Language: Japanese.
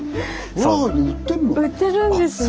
売ってるんですね。